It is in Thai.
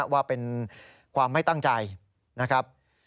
ว่าเป็นความไม่ตั้งใจนะครับ